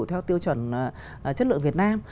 theo tiêu chuẩn chất lượng việt nam